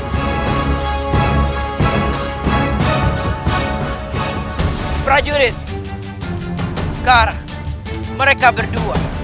apa yang bikin anda tidak benar